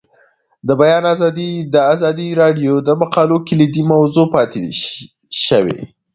د بیان آزادي د ازادي راډیو د مقالو کلیدي موضوع پاتې شوی.